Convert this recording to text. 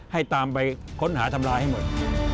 ให้ตามไปค้นหาทำลายให้หมด